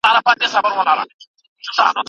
که پاچا ویښ وای نو لښکر به نه ماتېدی.